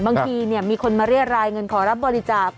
บางทีเนี่ยมีคนมาเรียดรายเงินขอรับบริจาค